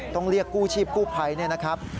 ต้องเรียกกู้ชีพกู้ไพรนะครับ